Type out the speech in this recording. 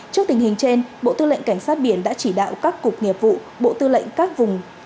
trước tình hình trên bộ tư lệnh cảnh sát biển đã chỉ đạo các cục nghiệp vụ bộ tư lệnh các vùng